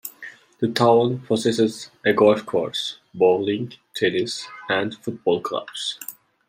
The town possesses a golf course, bowling, tennis and football clubs.